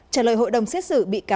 trả lời hội đồng xét xử